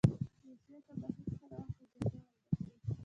روسیې ته به هېڅ وخت اجازه ورنه کړو.